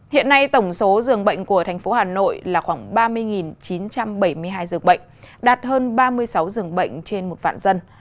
hiện nay tổng số dường bệnh của thành phố hà nội là khoảng ba mươi chín trăm bảy mươi hai giường bệnh đạt hơn ba mươi sáu dường bệnh trên một vạn dân